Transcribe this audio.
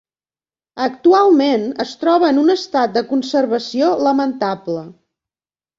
Actualment es troba en un estat de conservació lamentable.